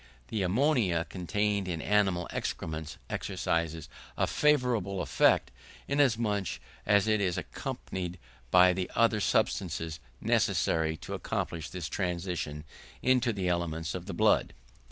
The ammonia contained in animal excrements exercises a favourable effect, inasmuch as it is accompanied by the other substances necessary to accomplish its transition into the elements of the blood.